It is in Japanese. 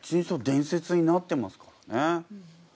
伝説になってますからね。